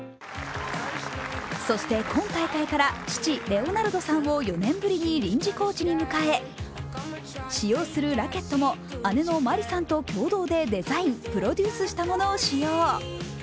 そして、今大会から父・レオナルドさんを４年ぶりに臨時コーチに迎え、使用するラケットも姉のまりさんと共同でデザインプロデュースしたものを使用。